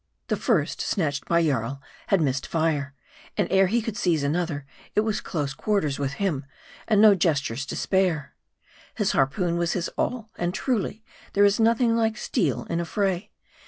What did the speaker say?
The first snatched by Jarl had missed fire, and ere he could seize another, it was close quarters with him, and no gestures to spare. His harpoon was his all. And truly, there is nothing like steel in a fray.